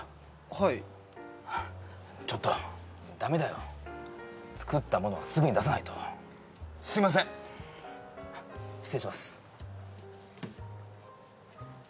はいちょっとダメだよ作ったものはすぐに出さないとすいません失礼します